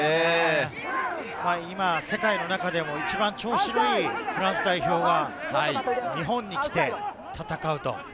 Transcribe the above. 今、世界の中でも一番調子のいいフランス代表が日本に来て戦う。